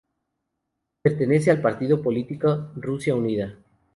Pertenece al partido político Rusia Unida.